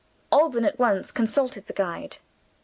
Alban at once consulted the guide.